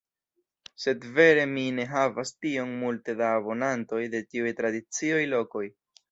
Sed vere mi ne havas tiom multe da abonantoj de tiuj tradicioj lokoj.